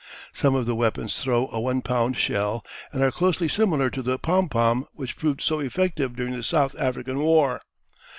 Some of the weapons throw a one pound shell and are closely similar to the pom pom which proved so effective during the South African war.